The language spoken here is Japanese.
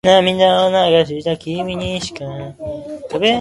虹の根元には宝物が埋まっているって、子どもの頃は本気で信じてたなあ。